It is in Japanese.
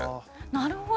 なるほど。